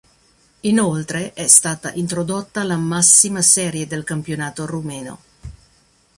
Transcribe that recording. Inoltre è stata introdotta la massima serie del campionato rumeno.